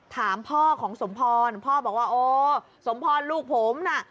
ถามพ่อของสมพรพ่อบอกว่าโอ้สมพรลูกผมน่ะ